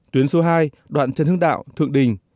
tuyến số hai đoạn trần hưng đạo thượng đình